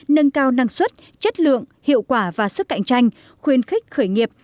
nâng cao năng suất chất lượng hiệu quả và sức cạnh tranh khuyến khích khởi nghiệp